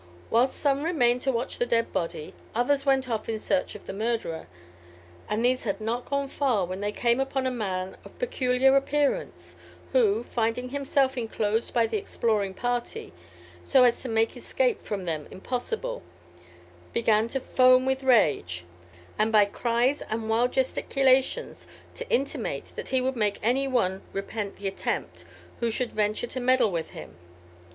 Whilst some remained to watch the dead body, others went off in search of the murderer; and these had not gone far, when they came upon a man of peculiar appearance, who, finding himself enclosed by the exploring party, so as to make escape from them impossible, began to foam with rage, and by cries and wild gesticulations to intimate that he would make any one repent the attempt who should venture to meddle with him.